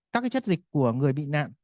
các chất dịch của người bị nạn